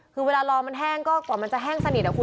คือเวลารอมันแห้งก็กว่ามันจะแห้งสนิทอ่ะคุณ